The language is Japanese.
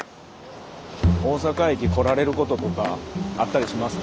大阪駅来られることとかあったりしますか？